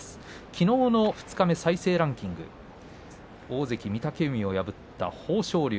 きのうの二日目再生ランキング大関御嶽海を破った豊昇龍。